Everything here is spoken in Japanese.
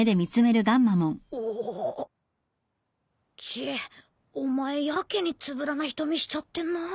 チッお前やけにつぶらな瞳しちゃってんな。